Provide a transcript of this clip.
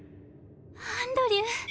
アンドリュー！